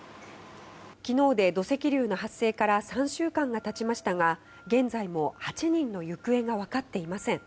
昨日で土石流の発生から３週間が経ちましたが現在も８人の行方が分かっていません。